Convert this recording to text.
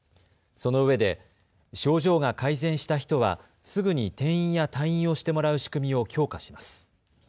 そのうえで症状が改善した人はすぐに転院や退院をしてもらう仕組みを強化します。